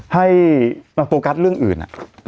ให้มาโฟกัสเรื่องอื่น